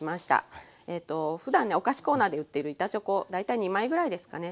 ふだんねお菓子コーナーで売ってる板チョコ大体２枚ぐらいですかね